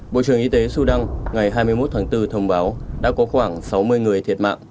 bộ trưởng y tế sudan ngày hai mươi một tháng bốn thông báo đã có khoảng sáu mươi người thiệt mạng